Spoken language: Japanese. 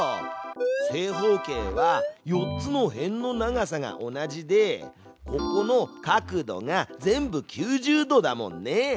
正方形は４つの辺の長さが同じでここの角度が全部９０度だもんね！